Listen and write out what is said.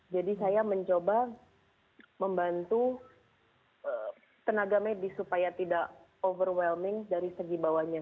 jadi saya mencoba membantu tenaga medis supaya tidak overwhelming dari segi bawahnya